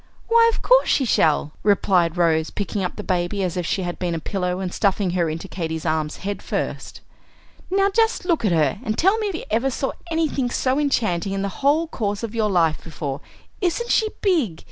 "Why, of course she shall," replied Rose, picking up the baby as if she had been a pillow, and stuffing her into Katy's arms head first. "Now, just look at her, and tell me if ever you saw anything so enchanting in the whole course of your life before? Isn't she big?